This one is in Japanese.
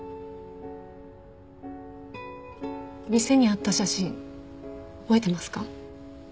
店にあった写真覚えてますか？